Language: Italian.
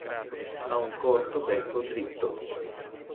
Ha un corto becco diritto.